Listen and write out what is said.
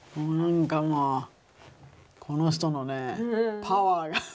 何かこの人のねパワーが。